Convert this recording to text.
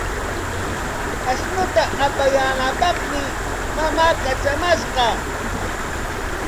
Ashnuta apanaapaqmi mamaa katramashqa.